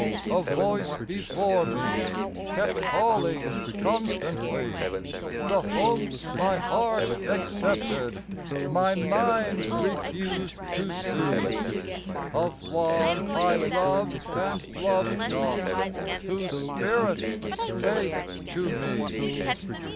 a voice before me Kept calling constantly The hopes my heart accepted, My mind refused to see Of one I loved and loved not, Whose spirit spake to me.